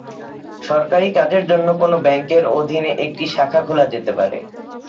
সরকারি কাজের জন্য কোনো ব্যাংকের অধীনে একটি শাখা খোলা যেতে পারে।